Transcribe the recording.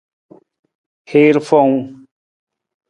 Hiir fowung.